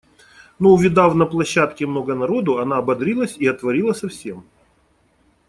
Но увидав на площадке много народу, она ободрилась и отворила совсем.